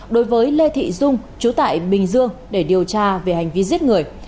đối với lê thị dung chú tại bình dương để điều tra về hành vi giết người